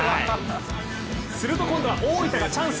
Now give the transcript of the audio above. すると今度は大分がチャンス。